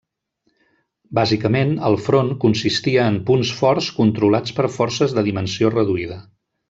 Bàsicament, el front consistia en punts forts controlats per forces de dimensió reduïda.